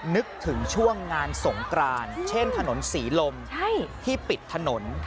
นึกถึงช่วงงานสงกรานเช่นถนนศรีลมที่ปิดถนน